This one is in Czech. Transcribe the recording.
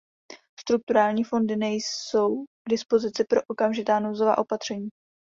Strukturální fondy nejsou k dispozici pro okamžitá nouzová opatření.